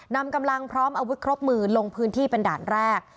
นำกำลังพร้อมอาวุธครบมือลงพื้นที่เป็นด่านแรก